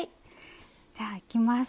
じゃあいきます。